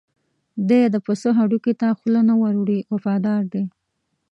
دی د پسه هډوکي ته خوله نه ور وړي وفادار دی.